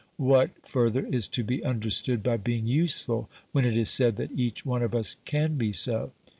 What, further, is to be understood OBERMANN 155 by being useful, when it is said that each one of us can be so